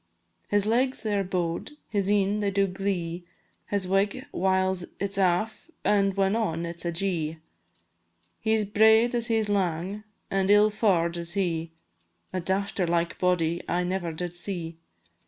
His legs they are bow'd, his een they do glee, His wig, whiles it 's aff, and when on, it 's ajee; He 's braid as he 's lang, an' ill faur'd is he, A dafter like body I never did see.